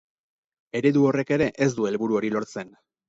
Eredu horrek ere ez du helburu hori lortzen.